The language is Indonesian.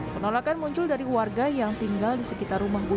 penolakan muncul dari warga yang tinggal di sekitar rumah